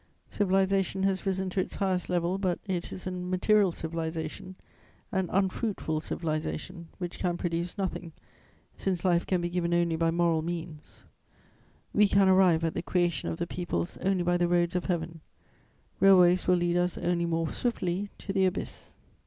Civilization has risen to its highest level, but it is a material civilization, an unfruitful civilization, which can produce nothing, since life can be given only by moral means; we can arrive at the creation of peoples only by the roads of Heaven: railways will lead us only more swiftly to the abyss.